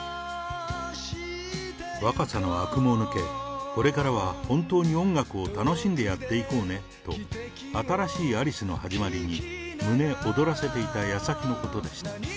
若さのあくも抜け、これからは本当に音楽を楽しんでやっていこうねと、新しいアリスの始まりに胸躍らせていたやさきのことでした。